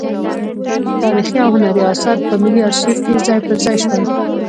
تاریخي او هنري اثار په ملي ارشیف کې ځای پر ځای شول.